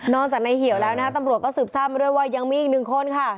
นอกจากนายเหี่ยวแล้วตำรวจซืบซ่ามาด้วยว่ายังมีอีกหนึ่งคนค่ะ